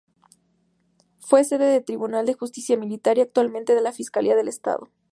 Fue sede del Tribunal de Justicia Militar y actualmente de la Fiscalía del Estado.